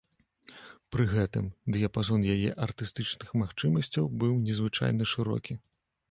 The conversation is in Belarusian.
Пры гэтым, дыяпазон яе артыстычных магчымасцяў быў незвычайна шырокі.